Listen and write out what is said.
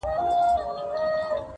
تر منګوټي لاندي به سپیني اوږې وځلېدې-